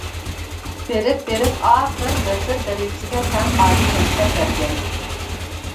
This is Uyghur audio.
بېرىپ-بېرىپ ئاخىرى ۋەزىر دەرىجىسىگە تەڭ ئالىي مەنسەپ بەرگەن.